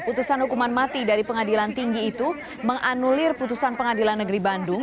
putusan hukuman mati dari pengadilan tinggi itu menganulir putusan pengadilan negeri bandung